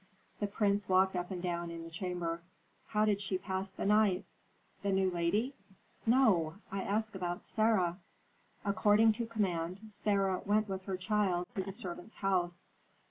The prince walked up and down in the chamber. "How did she pass the night?" "The new lady?" "No! I ask about Sarah." "According to command, Sarah went with her child to the servants' house.